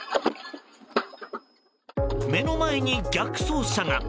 目の前に逆走車が。